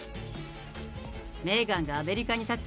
メーガンがアメリカに発つ